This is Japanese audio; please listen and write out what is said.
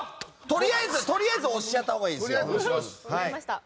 とりあえず押しちゃったほうがいいですよ。